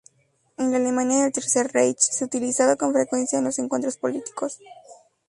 En la Alemania del Tercer Reich se utilizaba con frecuencia en los encuentros políticos.